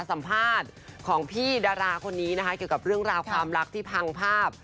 สัมภาษณ์ของพี่ดาราคนนี้นะคะเกี่ยวกับเรื่องราวความรักที่พังภาพ